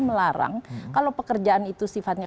melarang kalau pekerjaan itu sifatnya